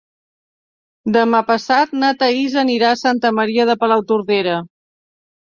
Demà passat na Thaís anirà a Santa Maria de Palautordera.